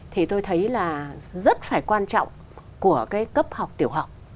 thì tôi thấy là rất phải quan trọng của cái cấp học tiểu học